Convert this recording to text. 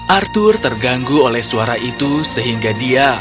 arthur terganggu oleh suara itu sehingga dia